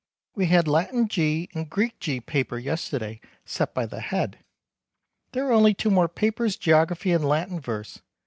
We had Latin G and Greek G paper yesterday (set by the Head). There are only two more papers geography and Latin verse.